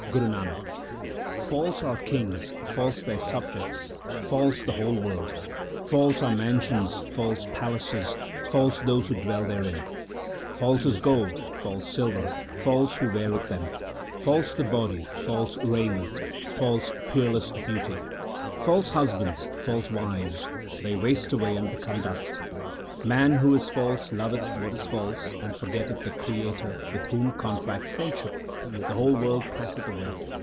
ASA KI WAR 231 SLOK X Guru Nanak False are kings, false their subjects, false the whole world ; False are mansions, false palaces, false those who dwell therein ; False is gold ; false silver ; false he who weareth them ; False the body ; false raiment ; false peerless beauty ; False husbands ; false wives ; they waste away and become dust. Man who is false loveth what is false, and forgetteth the Creator. With whom contract friendship ? The whole world passeth away.